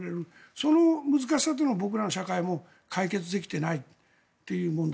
その難しさを僕らの社会も解決できていないという問題。